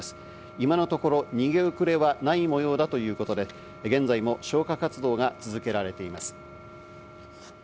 今のところ逃げ遅れはない模様だということで、現在も消火活動が続けられています。